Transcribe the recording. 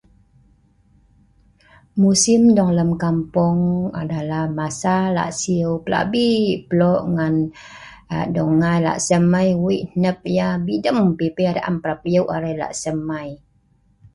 musim dong lem kampung adalah masa la'siu plabi plok ngan aa dong ngai la'sem ai weik hnep yeh bidem pipi arai am parap yuk arai la'sem ai